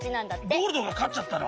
ゴールドがかっちゃったの？